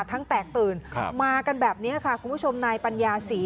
แตกตื่นมากันแบบนี้ค่ะคุณผู้ชมนายปัญญาศรี